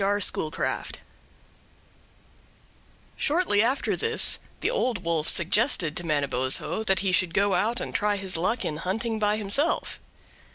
R. Schoolcraft Shortly after this the Old Wolf suggested to Manabozho that he should go out and try his luck in hunting by himself.